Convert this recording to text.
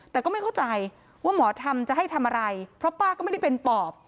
แต่ก็ไม่เข้าใจว่าหมอธรรมจะให้ทำอะไรเพราะป้าก็ไม่ได้เป็นปอบ